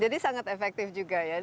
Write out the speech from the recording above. jadi sangat efektif juga ya